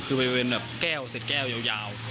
เป็นแค่เก้าเศษแก้วยาว